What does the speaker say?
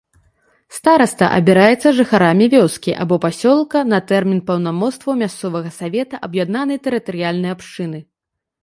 Стараста абіраецца жыхарамі вёскі або пасёлка на тэрмін паўнамоцтваў мясцовага савета аб'яднанай тэрытарыяльнай абшчыны.